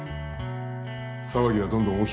騒ぎはどんどん大きくなってる。